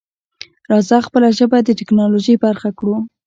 راځه خپله ژبه د ټکنالوژۍ برخه کړو.